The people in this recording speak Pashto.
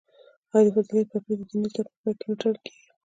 آیا د فضیلت پګړۍ د دیني زده کړو په پای کې نه تړل کیږي؟